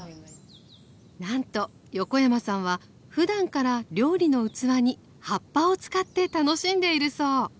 なんと横山さんはふだんから料理の器に葉っぱを使って楽しんでいるそう